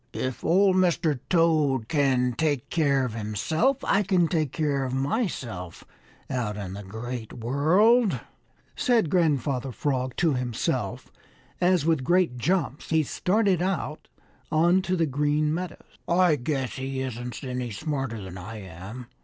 "If old Mr. Toad can take care of himself, I can take care of myself out in the Great World," said Grandfather Frog, to himself as, with great jumps, he started out on to the Green Meadows. "I guess he isn't any smarter than I am!